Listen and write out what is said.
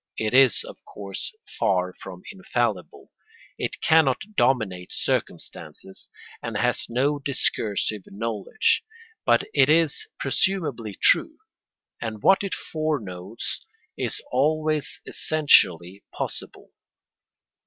It is, of course, far from infallible; it cannot dominate circumstances, and has no discursive knowledge; but it is presumably true, and what it foreknows is always essentially possible.